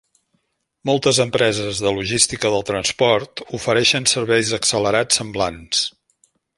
Moltes empreses de logística del transport ofereixen serveis accelerats semblants.